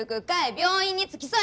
病院に付き添え！